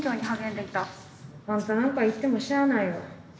あんたなんか行ってもしゃあないわ。